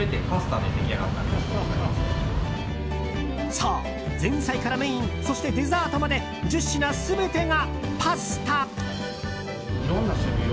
そう、前菜からメインそしてデザートまで１０品全てがパスタ！